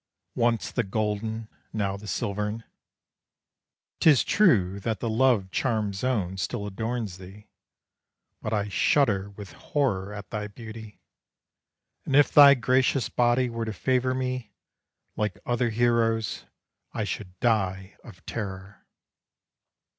Once the golden, now the silvern! 'Tis true that the love charmed zone still adorns thee But I shudder with horror at thy beauty. And if thy gracious body were to favor me Like other heroes, I should die of terror.